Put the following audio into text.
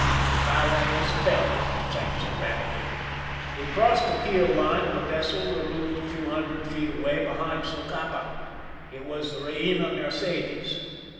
The bow almost fell, it sank so rapidly. We crossed the keel line of a vessel removed a few hundred feet away, behind Socapa ; it was the Beina Mercedes.